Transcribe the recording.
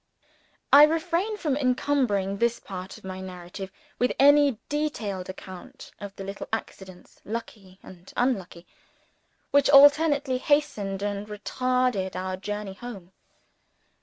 I refrain from encumbering this part of my narrative with any detailed account of the little accidents, lucky and unlucky, which alternately hastened or retarded our journey home.